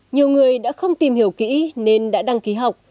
nhiều người đã không tìm hiểu kỹ nên đã đăng ký học